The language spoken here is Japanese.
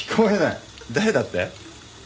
誰だって？